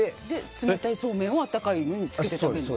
冷たいそうめんを温かいのにつけて食べるの？